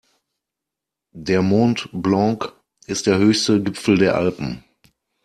Der Mont Blanc ist der höchste Gipfel der Alpen.